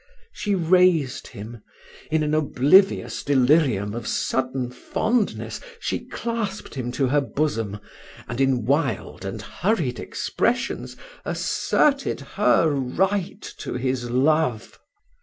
She raised him in an oblivious delirium of sudden fondness she clasped him to her bosom, and, in wild and hurried expressions, asserted her right to his love.